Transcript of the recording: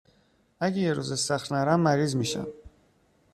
اگه یه روز استخر نرم مریض میشم